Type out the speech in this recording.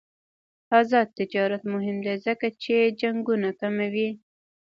آزاد تجارت مهم دی ځکه چې جنګونه کموي.